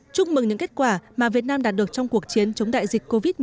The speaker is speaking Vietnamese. chúc mừng những kết quả mà việt nam đạt được trong cuộc chiến chống đại dịch covid một mươi chín